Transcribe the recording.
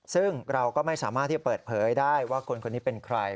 ซึ่งเราก็ไม่สามารถที่จะเปิดเผยได้ว่าคนคนนี้เป็นใคร